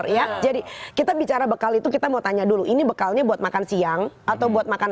ya jadi kita bicara bekal itu kita mau tanya dulu ini bekalnya buat makan siang atau buat makan